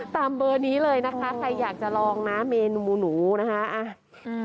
ตามเบอร์นี้เลยนะคะใครอยากจะลองนะเมนูหนูนะคะอ่ะอืม